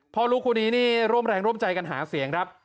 พ่อลูกคู่นี้นี่ร่วมแรงร่วมใจกันหาเสียงครับ